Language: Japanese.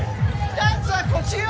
ダンスは腰よ！